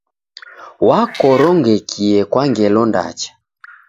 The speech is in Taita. Wakorongekie kwa ngelo ndacha.